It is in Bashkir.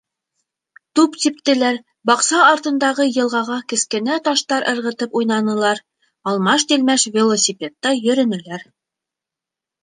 Туп типтеләр, баҡса артындағы йылғаға кескенә таштар ырғытып уйнанылар, алмаш-тилмәш велосипедта йөрөнөләр.